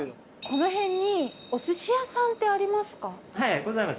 この辺にお寿司屋さんってありますか？